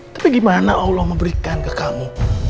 tapi gimana allah memberikan ke kamu